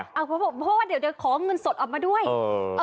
อ่าเพราะว่าเดี๋ยวเดี๋ยวขอเงินสดออกมาด้วยเออ